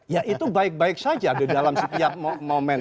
ya itu baik baik saja di dalam setiap momen